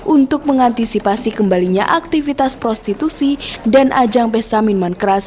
untuk mengantisipasi kembalinya aktivitas prostitusi dan ajang pesa minuman keras